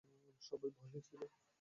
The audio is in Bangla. সবাই ভয়ে ছিল।